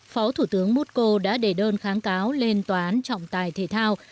phó thủ tướng muko đã để đơn kháng cáo lên tòa án trọng tài thể thao